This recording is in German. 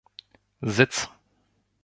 Sitz!